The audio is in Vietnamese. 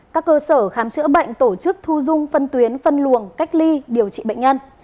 các cơ sở khám chữa bệnh tổ chức thu dung phân tuyến phân luồng cách ly điều trị bệnh nhân